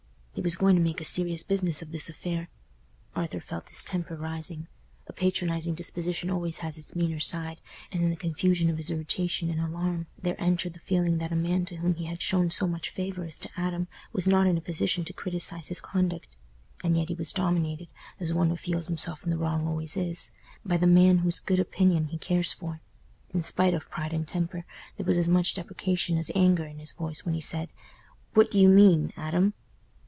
He was going to make a serious business of this affair. Arthur felt his temper rising. A patronising disposition always has its meaner side, and in the confusion of his irritation and alarm there entered the feeling that a man to whom he had shown so much favour as to Adam was not in a position to criticize his conduct. And yet he was dominated, as one who feels himself in the wrong always is, by the man whose good opinion he cares for. In spite of pride and temper, there was as much deprecation as anger in his voice when he said, "What do you mean, Adam?"